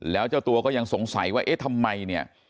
แล้วเจ้าตัวก็ยังสงสัยว่าเอ๊ะทำไมเนี่ย